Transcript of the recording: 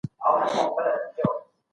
تاريخ بايد د محض پېښو په توګه ولوستل سي.